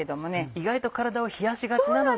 意外と体を冷やしがちなので。